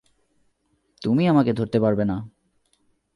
তুমি আমাকে ধরতে পারবে না।